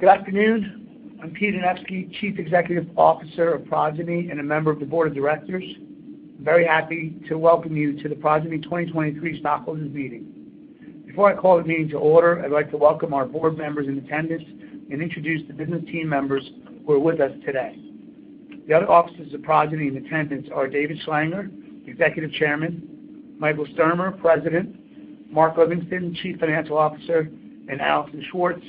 Good afternoon. I'm Pete Anevski, Chief Executive Officer of Progyny and a member of the board of directors. I'm very happy to welcome you to the Progyny 2023 stockholders meeting. Before I call the meeting to order, I'd like to welcome our board members in attendance and introduce the business team members who are with us today. The other officers of Progyny in attendance are David Schlanger, Executive Chairman, Michael Sturmer, President, Mark Livingston, Chief Financial Officer, and Allison Swartz,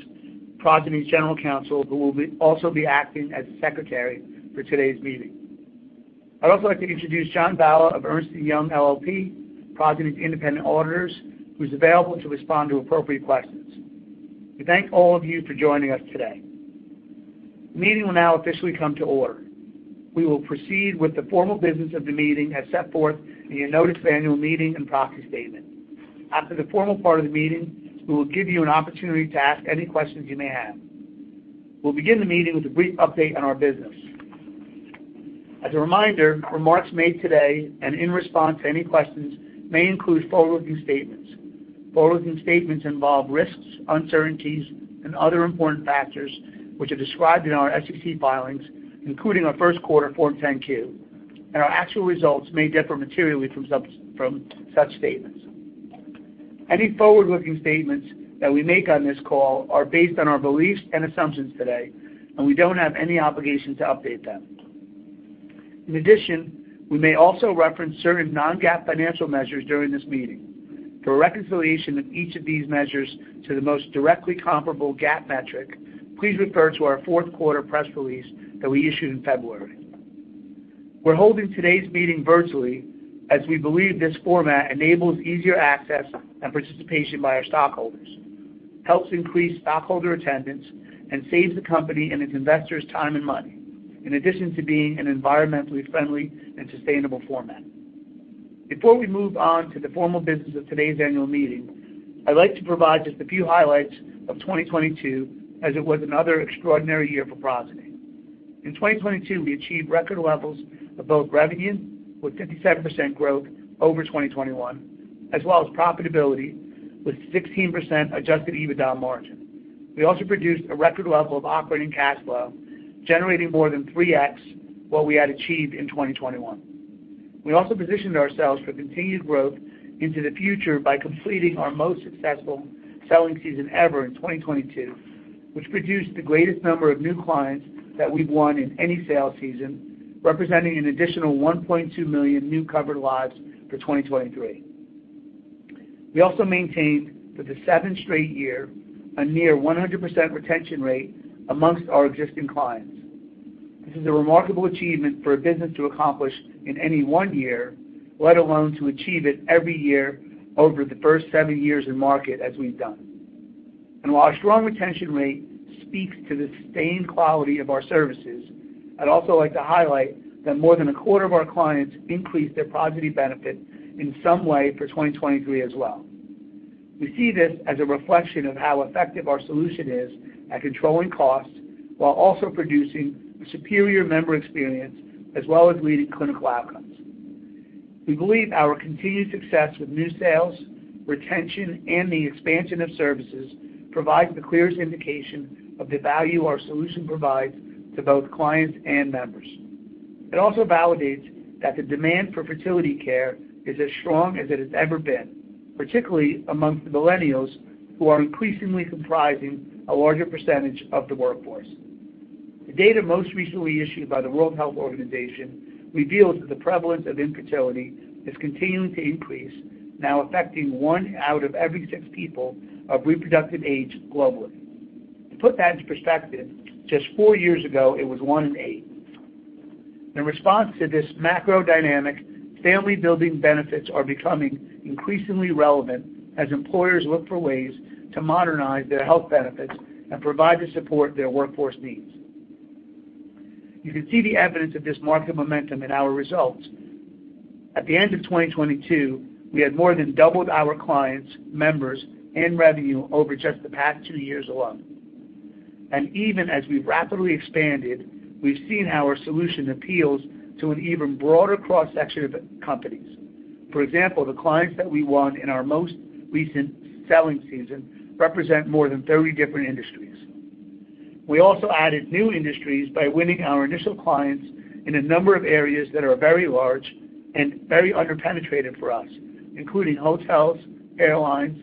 Progyny's General Counsel, who will also be acting as Secretary for today's meeting. I'd also like to introduce John Valla of Ernst & Young LLP, Progyny's independent auditors, who's available to respond to appropriate questions. We thank all of you for joining us today. The meeting will now officially come to order. We will proceed with the formal business of the meeting as set forth in your notice of annual meeting and proxy statement. After the formal part of the meeting, we will give you an opportunity to ask any questions you may have. We'll begin the meeting with a brief update on our business. As a reminder, remarks made today and in response to any questions may include forward-looking statements. Forward-looking statements involve risks, uncertainties, and other important factors which are described in our SEC filings, including our first quarter Form 10-Q, and our actual results may differ materially from such statements. Any forward-looking statements that we make on this call are based on our beliefs and assumptions today, and we don't have any obligation to update them. We may also reference certain non-GAAP financial measures during this meeting. For a reconciliation of each of these measures to the most directly comparable GAAP metric, please refer to our fourth quarter press release that we issued in February. We're holding today's meeting virtually as we believe this format enables easier access and participation by our stockholders, helps increase stockholder attendance, and saves the company and its investors time and money, in addition to being an environmentally friendly and sustainable format. Before we move on to the formal business of today's annual meeting, I'd like to provide just a few highlights of 2022, as it was another extraordinary year for Progyny. In 2022, we achieved record levels of both revenue, with 57% growth over 2021, as well as profitability, with 16% adjusted EBITDA margin. We also produced a record level of operating cash flow, generating more than 3x what we had achieved in 2021. We also positioned ourselves for continued growth into the future by completing our most successful selling season ever in 2022, which produced the greatest number of new clients that we've won in any sales season, representing an additional 1.2 million new covered lives for 2023. We also maintained, for the seventh straight year, a near 100% retention rate amongst our existing clients. This is a remarkable achievement for a business to accomplish in any one year, let alone to achieve it every year over the first seven years in market as we've done. While our strong retention rate speaks to the sustained quality of our services, I'd also like to highlight that more than a quarter of our clients increased their Progyny benefit in some way for 2023 as well. We see this as a reflection of how effective our solution is at controlling costs while also producing a superior member experience as well as leading clinical outcomes. We believe our continued success with new sales, retention, and the expansion of services provides the clearest indication of the value our solution provides to both clients and members. It also validates that the demand for fertility care is as strong as it has ever been, particularly amongst the millennials who are increasingly comprising a larger percentage of the workforce. The data most recently issued by the World Health Organization reveals that the prevalence of infertility is continuing to increase, now affecting one out of every six people of reproductive age globally. To put that into perspective, just four years ago, it was one in eight. In response to this macro dynamic, family-building benefits are becoming increasingly relevant as employers look for ways to modernize their health benefits and provide the support their workforce needs. You can see the evidence of this market momentum in our results. At the end of 2022, we had more than doubled our clients, members, and revenue over just the past two years alone. Even as we've rapidly expanded, we've seen how our solution appeals to an even broader cross-section of companies. For example, the clients that we won in our most recent selling season represent more than 30 different industries. We also added new industries by winning our initial clients in a number of areas that are very large and very under-penetrated for us, including hotels, airlines,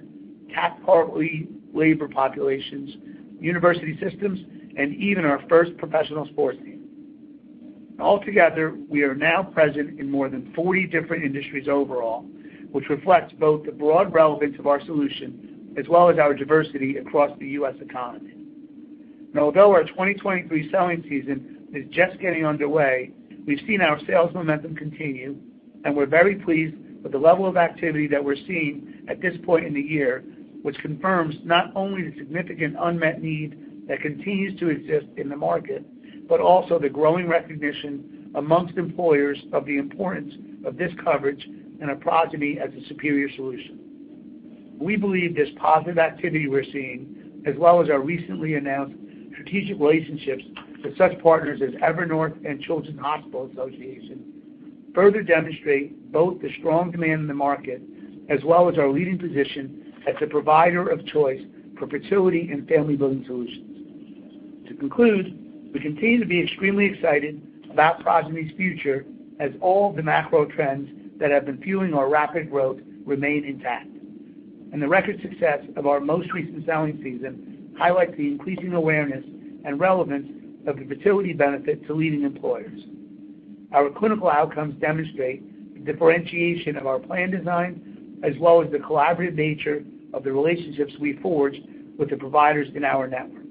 temporarily labor populations, university systems, and even our first professional sports team. Altogether, we are now present in more than 40 different industries overall, which reflects both the broad relevance of our solution as well as our diversity across the U.S. economy. Although our 2023 selling season is just getting underway, we've seen our sales momentum continue, and we're very pleased with the level of activity that we're seeing at this point in the year, which confirms not only the significant unmet need that continues to exist in the market, but also the growing recognition amongst employers of the importance of this coverage and of Progyny as a superior solution. We believe this positive activity we're seeing, as well as our recently announced strategic relationships with such partners as Evernorth and Children's Hospital Association further demonstrate both the strong demand in the market as well as our leading position as a provider of choice for fertility and family-building solutions. To conclude, we continue to be extremely excited about Progyny's future as all the macro trends that have been fueling our rapid growth remain intact, and the record success of our most recent selling season highlights the increasing awareness and relevance of the fertility benefit to leading employers. Our clinical outcomes demonstrate the differentiation of our plan design as well as the collaborative nature of the relationships we've forged with the providers in our network.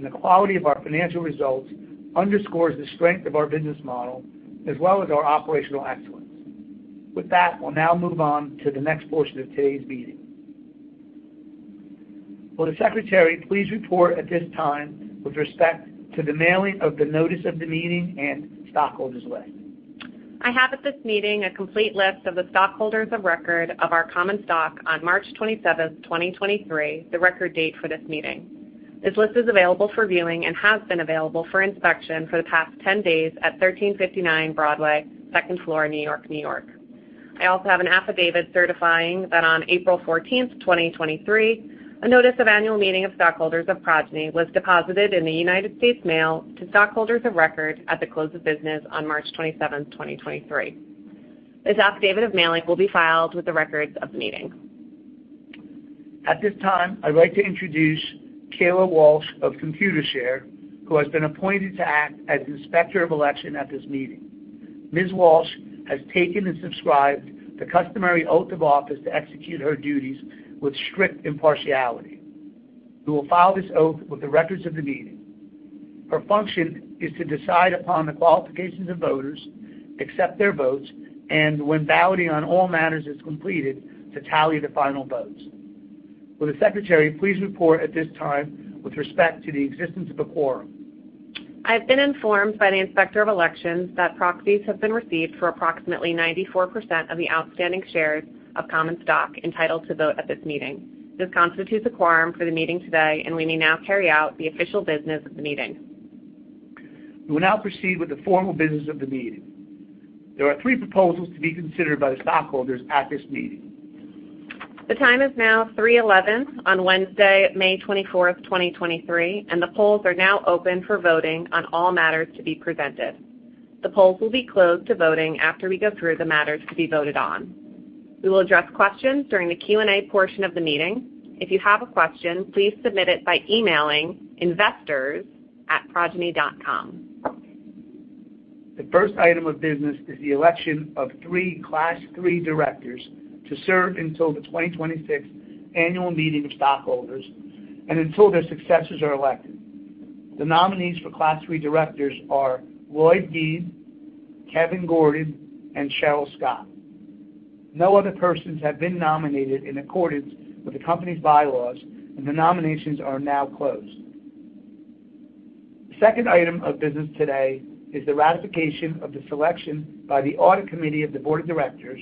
The quality of our financial results underscores the strength of our business model as well as our operational excellence. With that, we'll now move on to the next portion of today's meeting. Will the secretary please report at this time with respect to the mailing of the notice of the meeting and stockholders list? I have at this meeting a complete list of the stockholders of record of our common stock on March 27th, 2023, the record date for this meeting. This list is available for viewing and has been available for inspection for the past 10 days at 1359 Broadway, second floor, New York, New York I also have an affidavit certifying that on April 14th, 2023, a notice of annual meeting of stockholders of Progyny was deposited in the United States mail to stockholders of record at the close of business on March 27th, 2023. This affidavit of mailing will be filed with the records of the meeting. At this time, I'd like to introduce Kayla Walsh of Computershare, who has been appointed to act as Inspector of Election at this meeting. Ms. Walsh has taken and subscribed the customary oath of office to execute her duties with strict impartiality, who will file this oath with the records of the meeting. Her function is to decide upon the qualifications of voters, accept their votes, and when balloting on all matters is completed, to tally the final votes. Will the Secretary please report at this time with respect to the existence of a quorum? I've been informed by the Inspector of Election that proxies have been received for approximately 94% of the outstanding shares of common stock entitled to vote at this meeting. This constitutes a quorum for the meeting today, and we may now carry out the official business of the meeting. We will now proceed with the formal business of the meeting. There are three proposals to be considered by the stockholders at this meeting. The time is now 3:11 on Wednesday, May 24th, 2023, and the polls are now open for voting on all matters to be presented. The polls will be closed to voting after we go through the matters to be voted on. We will address questions during the Q&A portion of the meeting. If you have a question, please submit it by emailing investors@progyny.com. The first item of business is the election of three Class III directors to serve until the 2026 Annual Meeting of Stockholders and until their successors are elected. The nominees for Class III directors are Lloyd Dean, Kevin Gordon, and Cheryl Scott. No other persons have been nominated in accordance with the company's bylaws, and the nominations are now closed. The second item of business today is the ratification of the selection by the Audit Committee of the Board of Directors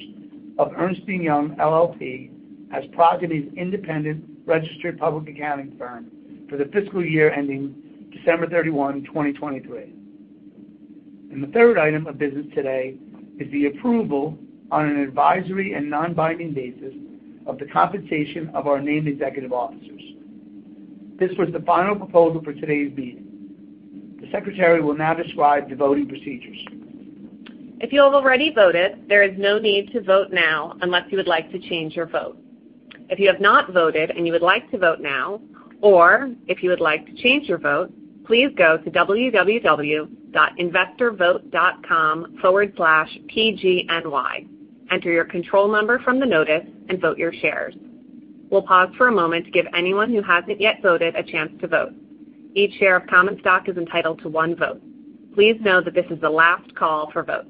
of Ernst & Young LLP as Progyny's Independent Registered Public Accounting Firm for the fiscal year ending December 31, 2023. The third item of business today is the approval on an advisory and non-binding basis of the compensation of our named executive officers. This was the final proposal for today's meeting. The secretary will now describe the voting procedures. If you have already voted, there is no need to vote now unless you would like to change your vote. If you have not voted and you would like to vote now or if you would like to change your vote, please go to www.investorvote.com/PGNY. Enter your control number from the notice and vote your shares. We'll pause for a moment to give anyone who hasn't yet voted a chance to vote. Each share of common stock is entitled to one vote. Please know that this is the last call for votes.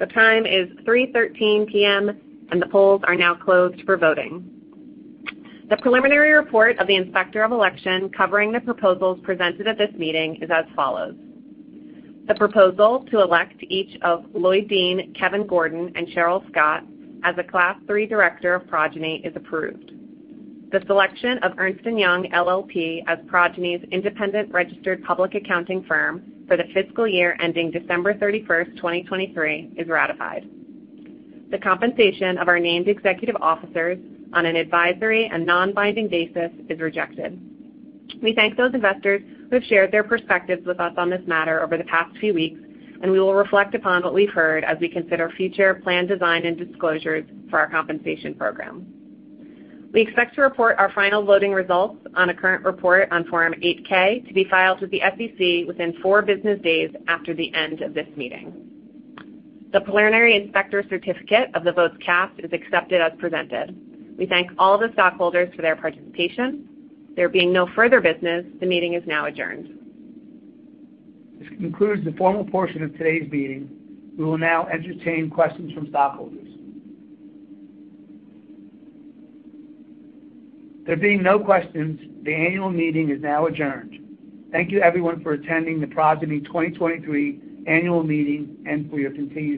The time is 3:13 P.M., and the polls are now closed for voting. The preliminary report of the Inspector of Election covering the proposals presented at this meeting is as follows. The proposal to elect each of Lloyd Dean, Kevin Gordon, and Cheryl Scott as a Class III director of Progyny is approved. The selection of Ernst & Young LLP as Progyny's Independent Registered Public Accounting Firm for the fiscal year ending December 31st, 2023, is ratified. The compensation of our named executive officers on an advisory and non-binding basis is rejected. We thank those investors who have shared their perspectives with us on this matter over the past few weeks, and we will reflect upon what we've heard as we consider future plan design and disclosures for our compensation program. We expect to report our final voting results on a current report on Form 8-K to be filed with the SEC within four business days after the end of this meeting. The preliminary inspector certificate of the votes cast is accepted as presented. We thank all the stockholders for their participation. There being no further business, the meeting is now adjourned. This concludes the formal portion of today's meeting. We will now entertain questions from stockholders. There being no questions, the annual meeting is now adjourned. Thank you, everyone, for attending the Progyny 2023 annual meeting and for your continued